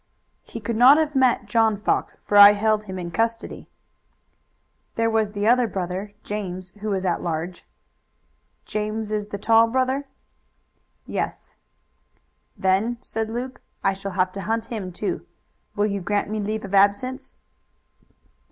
"He could not have met John Fox, for I held him in custody." "There was the other brother, James, who was at large." "James is the tall brother?" "Yes." "Then," said Luke, "I shall have to hunt him, too. Will you grant me leave of absence?"